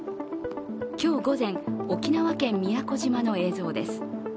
今日午前、沖縄県宮古島の映像です